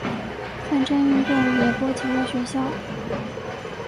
反战运动也波及了学校。